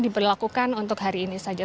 boleh lakukan untuk hari ini saja